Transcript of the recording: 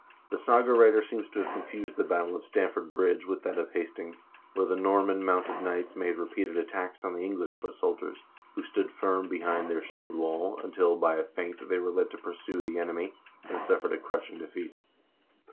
The saga writer seems to have confused the battle of Stamford Bridge with that of Hastings, where the Norman mounted knights made repeated attacks on the English foot soldiers, who stood firm behind their shield wall, until by a feint they were led to pursue the enemy, and suffered a crushing defeat.